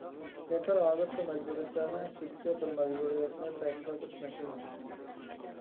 پېقىر ھازىر شۇ مەجبۇرىيەتلەرنىڭ ئىچىدىكى بىر مەجبۇرىيەتنى تەكىتلەپ ئۆتمەكچىمەن.